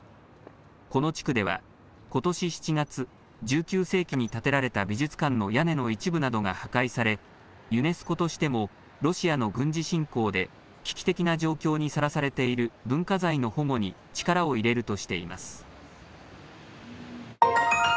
この地区ではことし７月、１９世紀に建てられた美術館の屋根の一部などが破壊されユネスコとしてもロシアの軍事侵攻で危機的な状況にさらされている文化財の保護に力を入れるとしています。